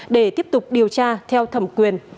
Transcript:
để tiếp tục điều tra theo thẩm quyền